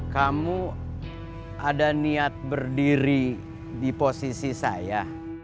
kamu ada niat berdiri di posisi saya